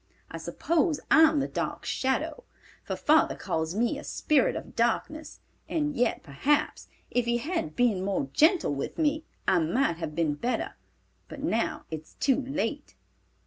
I suppose I'm the dark shadow, for father calls me a spirit of darkness, and yet, perhaps, if he had been more gentle with me, I might have been better; but now it's too late."